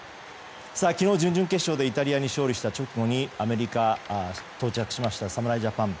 昨日、準々決勝でイタリアに勝利した直後にアメリカ到着しました侍ジャパン。